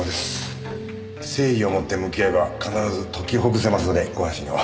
誠意をもって向き合えば必ず解きほぐせますのでご安心を。